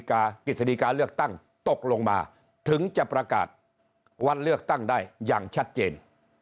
กฤษฎิกาเลือกตั้งตกลงมาถึงจะประกาศวันเลือกตั้งได้อย่างชัดเจน